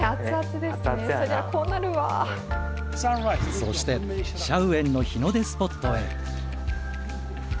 そしてシャウエンの日の出スポットへ。